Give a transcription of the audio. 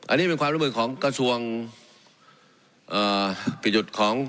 อันนี้เป็นความละเมินของกระทรวง